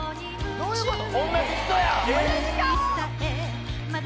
どういうこと！？